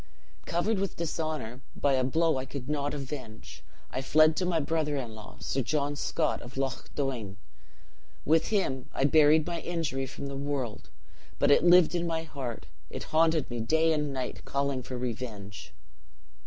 "Covered with dishonor by a blow I could not avenge. I fled to my brother in law, Sir John Scott, of Loch Doine. With him I buried my injury from the world; but it lived in my heart it haunted me day and night, calling for revenge.